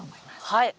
はい。